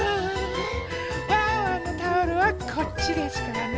ワンワンのタオルはこっちですからね。